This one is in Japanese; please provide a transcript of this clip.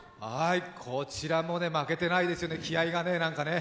こちらも負けてないですよね、気合いがね。